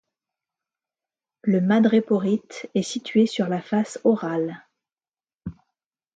Le madréporite est situé sur la face orale.